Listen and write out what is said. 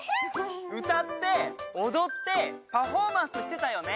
歌って踊ってパフォーマンスしてたよね。